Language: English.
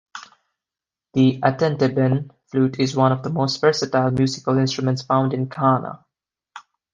The atenteben flute is one of the most versatile musical instruments found in Ghana.